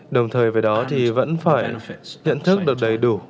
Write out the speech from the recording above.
đồng thời với đó thì vẫn phải nhận thức được đầy đủ